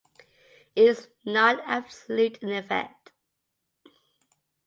It is not absolute in effect.